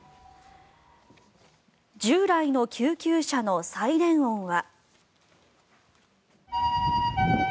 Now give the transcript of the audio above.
従来の救急車のサイレン音は。